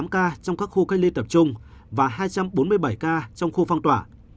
ba trăm năm mươi tám ca trong các khu canh ly tập trung và hai trăm bốn mươi bảy ca trong khu phong tỏa